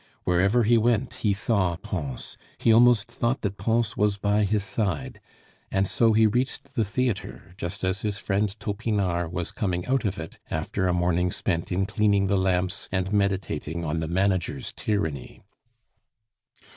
Wherever he went he saw Pons, he almost thought that Pons was by his side; and so he reached the theatre just as his friend Topinard was coming out of it after a morning spent in cleaning the lamps and meditating on the manager's tyranny.